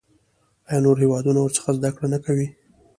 آیا نور هیوادونه ورڅخه زده کړه نه کوي؟